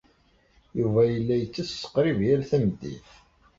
Yuba yella ittess qrib yal tameddit.